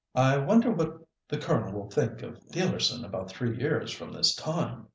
I wonder what the Colonel will think of Dealerson about three years from this time?"